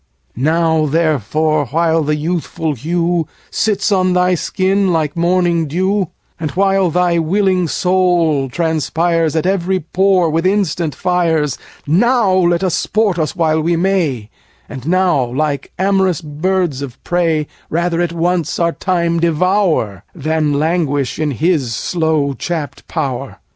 Now therefore, while the youthful hue Sits on thy skin like morning dew, And while thy willing soul transpires 35 At every pore with instant fires, Now let us sport us while we may, And now, like amorous birds of prey, Rather at once our time devour Than languish in his slow chapt power.